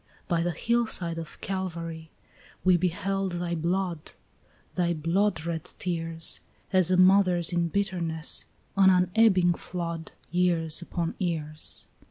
By the hillside of Calvary we beheld thy blood, Thy bloodred tears, As a mother's in bitterness, an unebbing flood, Years upon years.